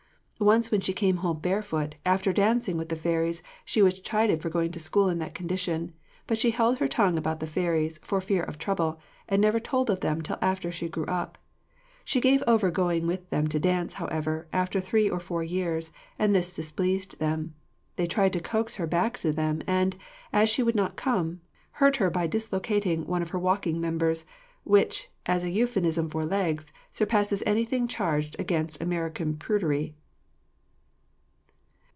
Once when she came home barefoot, after dancing with the fairies, she was chided for going to school in that condition; but she held her tongue about the fairies, for fear of trouble, and never told of them till after she grew up. She gave over going with them to dance, however, after three or four years, and this displeased them. They tried to coax her back to them, and, as she would not come, hurt her by dislocating 'one of her walking members,' which, as a euphemism for legs, surpasses anything charged against American prudery.